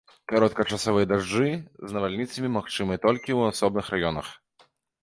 Кароткачасовыя дажджы з навальніцамі магчымыя толькі ў асобных раёнах.